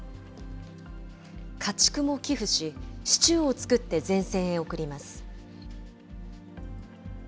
家畜も寄付し、シチューを作って前線へ送ります。